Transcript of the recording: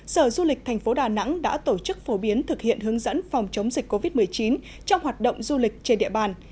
sở du lịch thành phố đà nẵng đã tổ chức phổ biến thực hiện hướng dẫn phòng chống dịch covid một mươi chín trong hoạt động du lịch trên địa bàn